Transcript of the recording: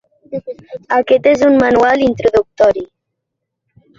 Aquest és un manual introductori.